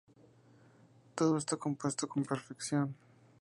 Todo está compuesto con perfección.